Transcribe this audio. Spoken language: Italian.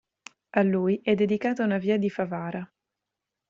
A lui è dedicata una via di Favara.